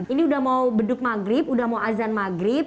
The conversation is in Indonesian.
ini udah mau beduk maghrib udah mau azan maghrib